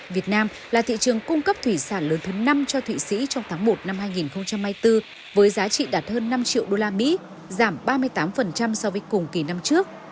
việt nam là thị trường cung cấp thủy sản lớn thứ năm cho thụy sĩ trong tháng một năm hai nghìn hai mươi bốn với giá trị đạt hơn năm triệu usd giảm ba mươi tám so với cùng kỳ năm trước